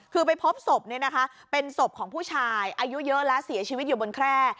คือไปพบศพเป็นศพของผู้ชายอายุเยอะแล้วเสียชีวิตอยู่บนแคร่